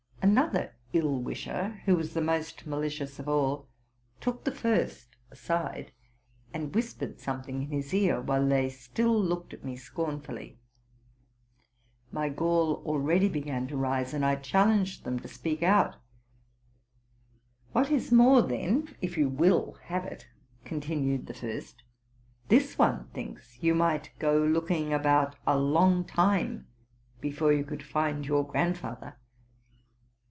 Another ill wisher, who was the most malicious of all, took the first aside, and whispered something in his ear; while they still looked at me scornfully. My gall already began to rise, and I challenged them to speak out. '* What is more, then, if you will have it,'' continued the first, ' this one thinks you might go looking about a long time before you could find your grandfather.